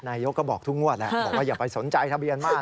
นายกก็บอกทุกงวดแหละบอกว่าอย่าไปสนใจทะเบียนมาก